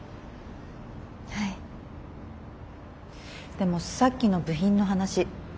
でもさっきの部品の話。